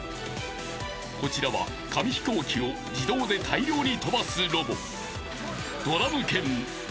［こちらは紙飛行機を自動で大量に飛ばすロボ］